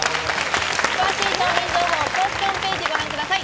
詳しい商品情報は公式ホームページをご覧ください。